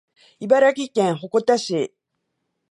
茨城県鉾田市